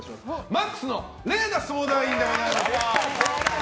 ＭＡＸのＲＥＩＮＡ相談員でございます。